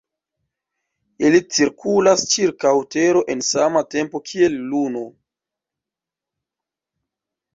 Ili cirkulas ĉirkaŭ Tero en sama tempo kiel Luno.